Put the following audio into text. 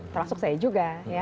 termasuk saya juga